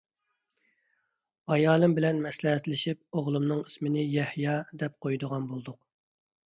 ئايالىم بىلەن مەسلىھەتلىشىپ، ئوغلۇمنىڭ ئىسمىنى «يەھيا» دەپ قويىدىغان بولدۇق.